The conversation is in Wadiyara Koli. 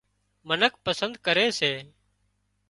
منک پسند ڪري سي